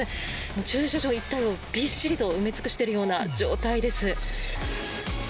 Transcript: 駐車場一帯をびっしりと埋め尽くしているような状態です。